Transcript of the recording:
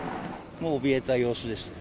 もうおびえた様子ですね。